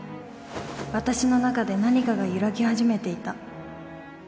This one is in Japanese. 私の中で何かが揺らぎ始めていた。